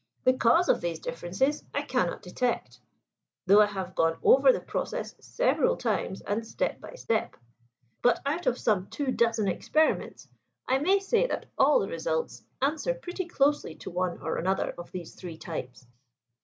The cause of these differences I cannot detect, though I have gone over the process several times and step by step; but out of some two dozen experiments I may say that all the results answer pretty closely to one or another of these three types."